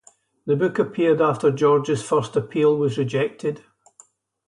The book appeared after George's first appeal was rejected.